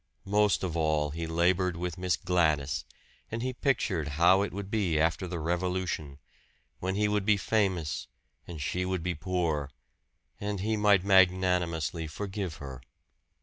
Most of all he labored with Miss Gladys; and he pictured how it would be after the Revolution, when he would be famous and she would be poor, and he might magnanimously forgive her!